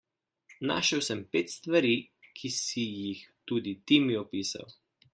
Našel sem pet stvari, ki si jih tudi ti mi opisal.